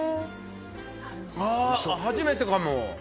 初めてかも。